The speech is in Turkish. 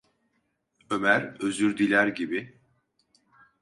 Ömer özür diler gibi: